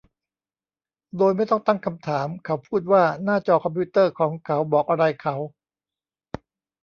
โดยไม่ต้องตั้งคำถามเขาพูดว่าหน้าจอคอมพิวเตอร์ของเขาบอกอะไรเขา